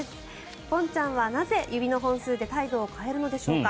ボンちゃんはなぜ指の本数で態度を変えるのでしょうか。